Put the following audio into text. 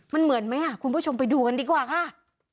มันเหมือนไหมคุณผู้ชมไปดูกันดีกว่าค่ะ